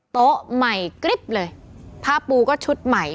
โต๊ะใหม่กริ๊บเลยผ้าปูก็ชุดใหม่